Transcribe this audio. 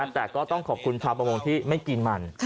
แต่ก็ต้องขอบคุณพระองษ์ที่ไม่กินมัน